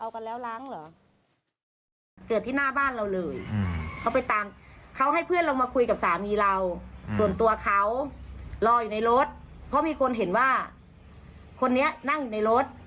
เขาไปตามเขาให้เพื่อนลงมาคุยกับสามีเราส่วนตัวเขารออยู่ในรถเพราะมีคนเห็นว่าคนนี้นั่งอยู่ในรถ